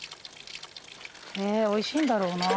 へぇおいしいんだろうな。